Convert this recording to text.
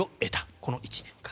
この１年間。